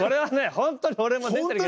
本当に俺も出てるけど。